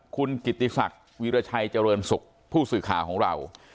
คุณกิติศักดิ์วีรชัยเจริญสุขผู้สื่อข่าวของเรา